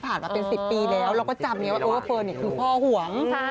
ผ่านมาเป็น๑๐ปีแล้วเราก็จำแล้วว่าเฟิร์นคือพ่อห่วง